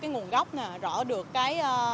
cái nguồn gốc rõ được cái